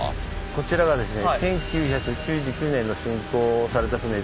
こちらがですね